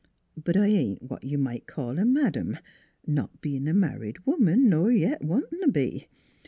" But I ain't what you might call a madam not bein' a married woman, nor yet wantin' t' be.